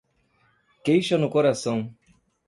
Queixa no coração